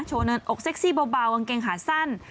เนินอกเซ็กซี่เบากางเกงขาสั้น